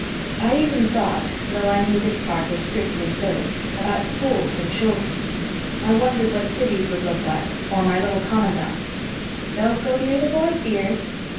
I even thought, though I knew this part was strictly silly, about schools and children. I wondered what Siddy's would look like, or my little commandant's. "Don't go near the Void, dears."